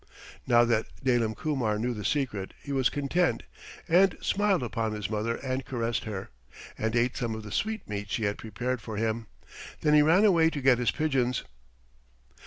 Now that Dalim Kumar knew the secret he was content, and smiled upon his mother and caressed her, and ate some of the sweetmeats she had prepared for him. Then he ran away to get his pigeons.